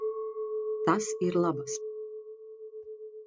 Tas ir labas.